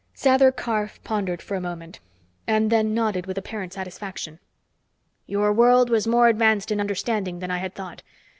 Sather Karf pondered for a moment, and then nodded with apparent satisfaction. "Your world was more advanced in understanding than I had thought.